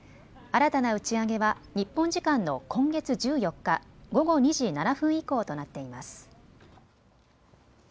新たな打ち上げは日本時間の今月１４日、午後２時７分以降となっています。